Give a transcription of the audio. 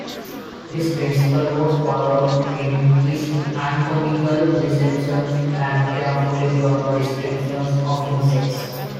This principle was followed in his anatomical dissections and carefully drawn descriptions of insects.